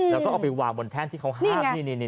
แล้วก็เอาไปวางบนแท่นที่เขาห้ามนี่